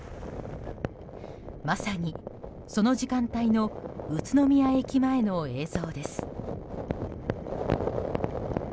まさにその時間帯の宇都宮駅前の映像です。